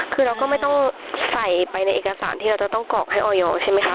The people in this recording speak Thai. คือเราก็ไม่ต้องใส่ไปในเอกสารที่เราจะต้องกรอกให้ออยอร์ใช่ไหมคะ